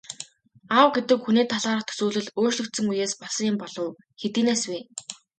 Аав гэдэг хүний талаарх төсөөлөл өөрчлөгдсөн үеэс болсон юм болов уу, хэдийнээс вэ?